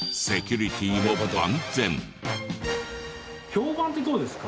評判ってどうですか？